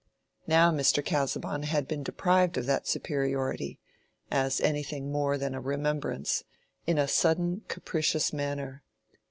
Now Mr. Casaubon had been deprived of that superiority (as anything more than a remembrance) in a sudden, capricious manner.